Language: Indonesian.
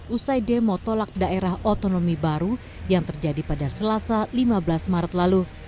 usai demo tolak daerah otonomi baru yang terjadi pada selasa lima belas maret lalu